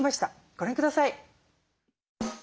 ご覧ください。